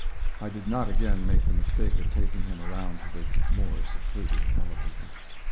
I did not again make the mistake of taking him around to the more secluded elevator.